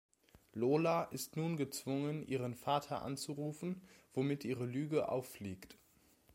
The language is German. Lola ist nun gezwungen, ihren Vater anzurufen, womit ihre Lüge auffliegt.